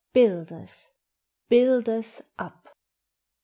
Builders ! Builders UP!